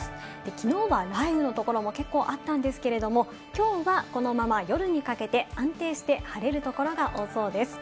きのうは雷雨のところも結構あったんですけれども、きょうはこのまま夜にかけて、安定して晴れるところが多そうです。